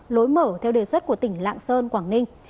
lối mở theo đề xuất của tỉnh lạng sơn quảng ninh